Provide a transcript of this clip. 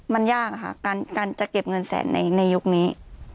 มันยากอะค่ะการจะเก็บเงินแสนในยุคนี้